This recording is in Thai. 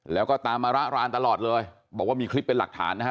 แล้วก็ตามมาระรานตลอดเลยบอกว่ามีคลิปเป็นหลักฐานนะฮะ